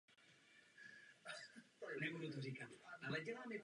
Právní předpis, který není možné uplatňovat, je především špatný předpis.